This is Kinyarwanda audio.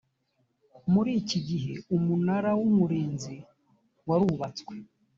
muri iki gihe umunara w umurinzi warubatswe